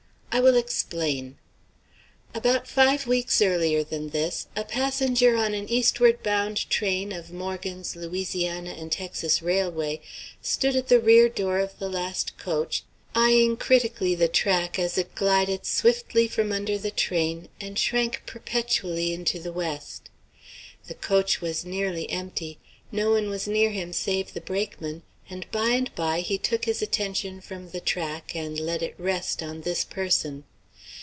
I will explain. About five weeks earlier than this, a passenger on an eastward bound train of Morgan's Louisiana and Texas Railway stood at the rear door of the last coach, eying critically the track as it glided swiftly from under the train and shrank perpetually into the west. The coach was nearly empty. No one was near him save the brakeman, and by and by he took his attention from the track and let it rest on this person.